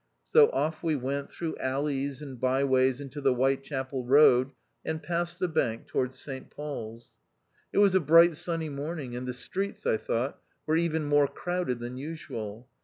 So off we went, through alleys and bye ways, into the Whitechapel Road, and past the Bank towards St Paul's. It was a bright sunny morning, and the streets, I thought, were even more crowded than usual.